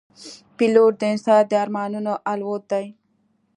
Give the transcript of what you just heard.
پیلوټ د انسان د ارمانونو الوت دی.